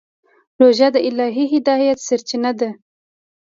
روژه د الهي هدایت سرچینه ده.